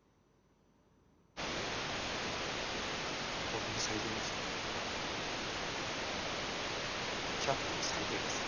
僕も最低ですけどキャップも最低です。